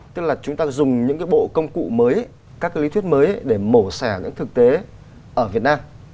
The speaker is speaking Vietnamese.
tức là chúng ta dùng những cái bộ công cụ mới các lý thuyết mới để mổ xẻ những thực tế ở việt nam